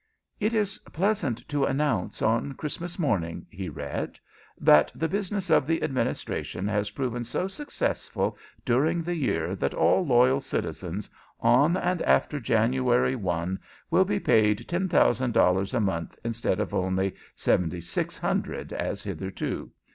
"It is pleasant to announce on Christmas morning," he read, "that the business of the Administration has proven so successful during the year that all loyal citizens, on and after January 1, will be paid $10,000 a month instead of only $7600, as hitherto.